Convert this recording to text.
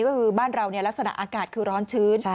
ก็คือบ้านเราลักษณะอากาศคือร้อนชื้น